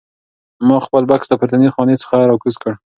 ما خپل بکس له پورتنۍ خانې څخه راکوز کړ.